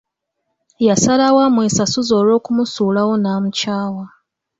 Yasalawo amwesasuze olw'okumusuulawo n'amukyawa.